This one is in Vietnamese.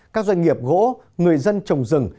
các doanh nghiệp gỗ người dân trồng rừng